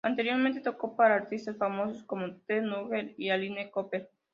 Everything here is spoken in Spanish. Anteriormente tocó para artistas famosos como Ted Nugent y Alice Cooper.